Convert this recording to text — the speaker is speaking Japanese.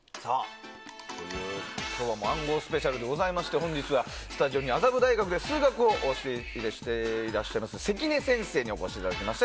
今日は暗号スペシャルでございまして本日はスタジオに麻布大学で数学を教えていらっしゃいます関根先生にお越しいただきました。